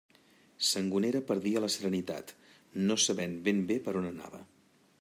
Sangonera perdia la serenitat, no sabent ben bé per on anava.